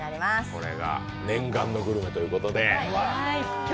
これが念願のグルメということで。